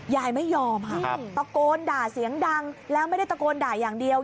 ยายไม่ยอมค่ะตะโกนด่าเสียงดังแล้วไม่ได้ตะโกนด่าอย่างเดียว